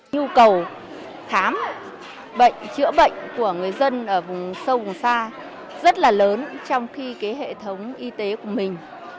nhu cầu khám bệnh chữa bệnh của người dân ở vùng sâu vùng xa rất là lớn trong khi hệ thống y tế của mình